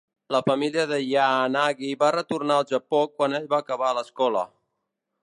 La família de Yanagi va retornar al Japó quan ell va acabar l'escola.